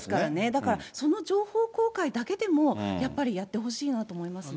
だから、その情報公開だけでもやっぱりやってほしいなと思います